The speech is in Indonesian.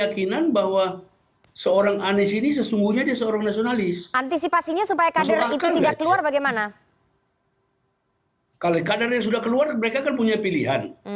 kalau kadernya sudah keluar mereka kan punya pilihan